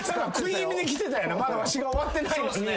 まだわしが終わってないのに。